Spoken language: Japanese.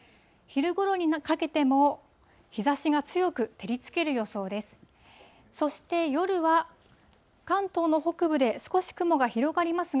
昼ごろにかけても、日ざしが強く照りつける予想です。